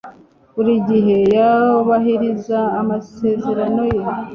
Buri gihe yubahiriza amasezerano ye